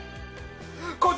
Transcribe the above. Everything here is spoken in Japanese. こっち